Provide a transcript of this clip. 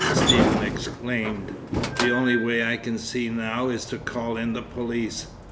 Stephen exclaimed. "The only way I can see now is to call in the police.